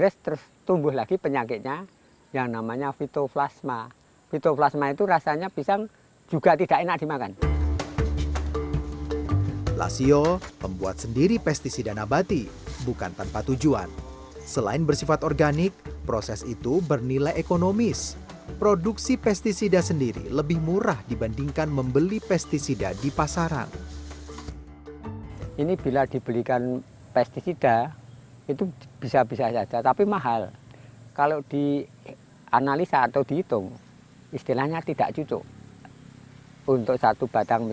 sebelumnya masyarakat dispnekrich menour saara reconnaissance